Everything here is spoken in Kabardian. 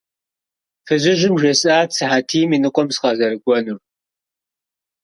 Фызыжьым жесӏат сыхьэтийм и ныкъуэм сыкъызэрыкӏуэнур.